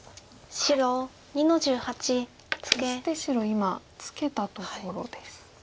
今ツケたところです。